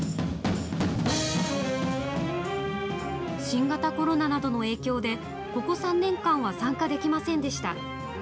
新型コロナなどの影響でここ３年間は参加できませんでした。